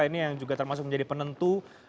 ini yang juga termasuk menjadi penentu